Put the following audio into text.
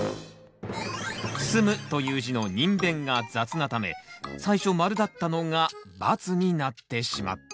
「住む」という字の人偏が雑なため最初マルだったのがバツになってしまった。